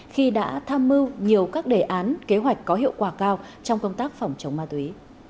khi đã tham mưu nhiều các đề án kế hoạch có hiệu quả cao trong công tác phòng chống ma túy